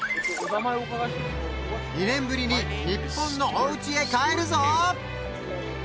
２年ぶりに日本のおうちへ帰るぞ！